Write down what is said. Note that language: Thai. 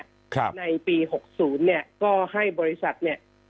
ครับในปีหกศูนย์เนี่ยก็ให้บริษัทเนี่ย